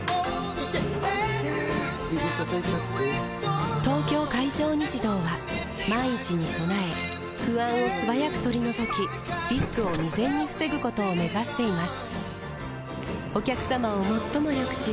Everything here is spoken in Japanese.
指たたいちゃって・・・「東京海上日動」は万一に備え不安を素早く取り除きリスクを未然に防ぐことを目指しています